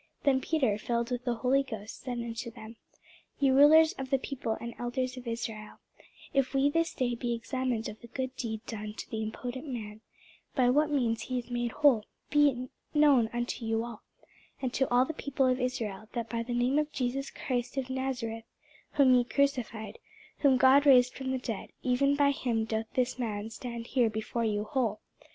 Then Peter, filled with the Holy Ghost, said unto them, Ye rulers of the people, and elders of Israel, if we this day be examined of the good deed done to the impotent man, by what means he is made whole; be it known unto you all, and to all the people of Israel, that by the name of Jesus Christ of Nazareth, whom ye crucified, whom God raised from the dead, even by him doth this man stand here before you whole.